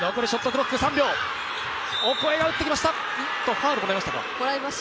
ファウルもらいましたか？